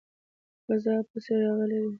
غزا پسې راغلی دی.